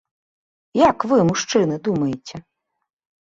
Як вы, мужчыны, думаеце?